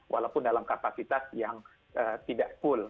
walaupun dalam kapasitas yang tidak terlalu besar